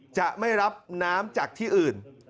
จะไม่รับน้ำจากที่อื่น